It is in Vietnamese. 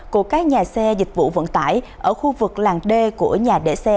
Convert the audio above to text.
của các nhà xe dịch vụ vận tải ở khu vực làng d của nhà để xe